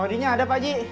odi nya ada pakji